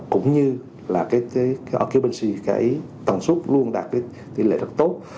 cũng như là cái occupancy cái tầng suất luôn đạt tỷ lệ rất tốt